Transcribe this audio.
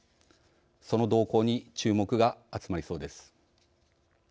その動向に注目が集まりそうです。